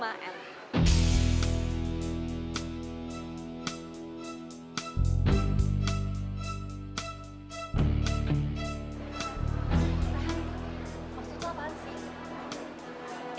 tante maksudnya apaan sih